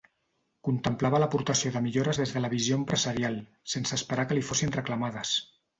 Contemplava l'aportació de millores des de la visió empresarial, sense esperar que li fossin reclamades.